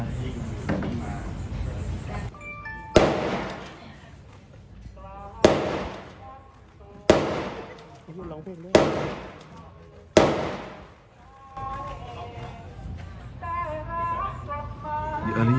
สุชีพมันยืนได้แต่เผลอยืนไม่ได้